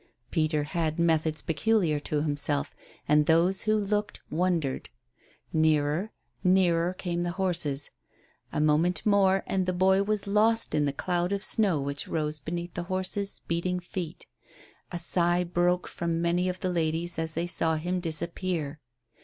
Peter had methods peculiar to himself, and those who looked wondered. Nearer nearer came the horses. A moment more and the boy was lost in the cloud of snow which rose beneath the horses' speeding feet. A sigh broke from many of the ladies as they saw him disappear.